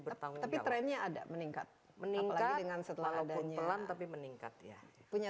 bertanggung tapi trennya ada meningkat meningkat dengan setelah adanya tapi meningkat ya punya